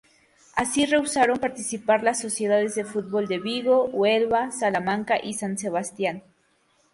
Así rehusaron participar las sociedades de fútbol de Vigo, Huelva, Salamanca y San Sebastián.